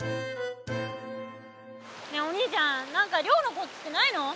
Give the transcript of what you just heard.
ねえお兄ちゃん何か漁のコツってないの？